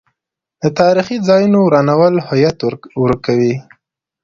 د تاریخي ځایونو ورانول هویت ورکوي.